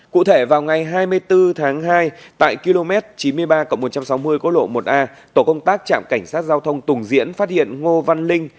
cụ thể vào ngày hai mươi bốn tháng hai tại km chín mươi ba một trăm sáu mươi cô lộ một a tổ công tác trạm cảnh sát giao thông tùng diễn phát hiện ngô văn linh